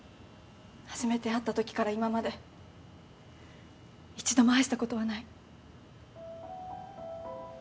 初めて会ったときから今まで一度も愛したことはない。